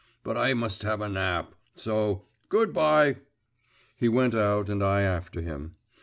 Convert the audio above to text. But I must have a nap! So! good bye!' He went out and I after him.